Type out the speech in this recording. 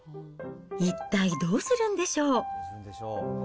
一体、どうするんでしょう。